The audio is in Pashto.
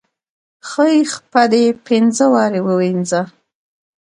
خۍ خپه دې پينزه وارې ووينزه.